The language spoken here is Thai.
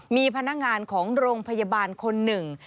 มีพนักงานของโรงพยาบาลคนหนึ่ง